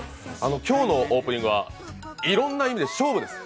今日のオープニングはいろいろな意味で勝負です。